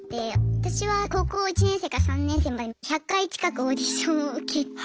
私は高校１年生から３年生まで１００回近くオーディションを受けて。